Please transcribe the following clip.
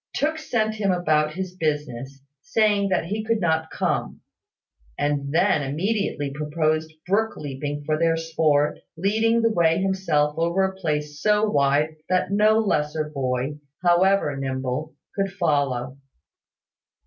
Tooke sent him about his business, saying that he could not come; and then immediately proposed brook leaping for their sport, leading the way himself over a place so wide that no lesser boy, however nimble, could follow.